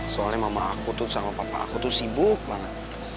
soalnya mama aku tuh sama papa aku tuh sibuk banget